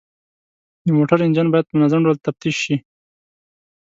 د موټرو انجن باید په منظم ډول تفتیش شي.